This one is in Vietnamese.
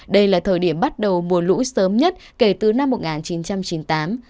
đây là thời điểm bắt đầu mùa lũ sớm nhất kể từ năm một nghìn chín trăm chín mươi tám